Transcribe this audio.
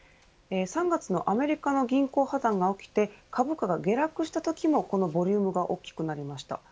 ３月のアメリカの銀行破綻が起きて株価が下落したときもこのボリュームが大きくなりました。